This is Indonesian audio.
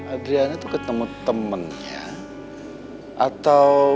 adriana ketemu temennya atau